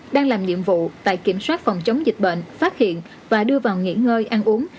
đang làm nhiệm vụ tại kiểm soát phòng chống dịch bệnh phát hiện và đưa vào nghỉ ngơi ăn uống